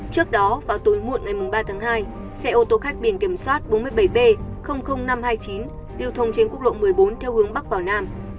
trước đó vào tối muộn ngày ba tháng hai xe ô tô khách biển kiểm soát bốn mươi bảy b năm trăm hai mươi chín điều thông trên quốc lộ một mươi bốn theo hướng bắc vào nam